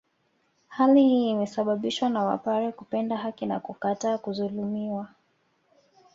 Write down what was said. Hali hii imesababishwa na wapare kupenda haki na kukataa kuzulumiwa